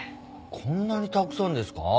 こんなにたくさんですか？